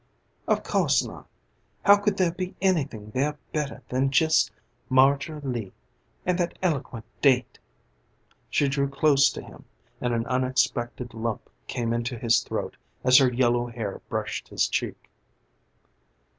"Of course not. How could there be anything there better than just 'Margery Lee,' and that eloquent date?" She drew close to him and an unexpected lump came into his throat as her yellow hair brushed his cheek.